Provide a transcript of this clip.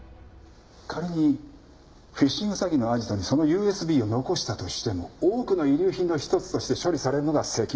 仮にフィッシング詐欺のアジトにそのＵＳＢを残したとしても多くの遺留品の一つとして処理されるのが関の山だ。